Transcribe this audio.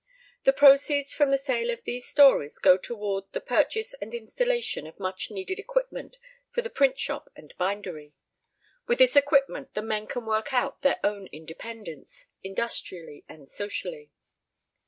The proceeds from the sale of these stories go toward the purchase and installation of much needed equipment for the Printshop and Bindery. With this equipment the men can work out their own independence, industrially and socially.